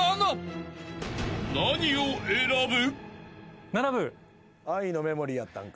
［何を選ぶ？］